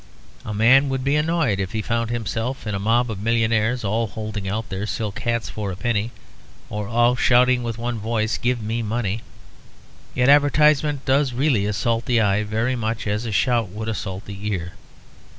A man would be annoyed if he found himself in a mob of millionaires, all holding out their silk hats for a penny; or all shouting with one voice, "Give me money." Yet advertisement does really assault the eye very much as such a shout would assault the ear.